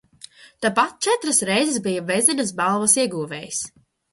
Tāpat četras reizes bija Vezinas balvas ieguvējs.